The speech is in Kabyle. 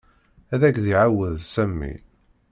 Ad ak-d-iɛawed Sami.